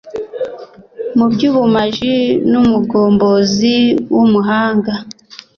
mu by ubumaji n umugombozi w umuhanga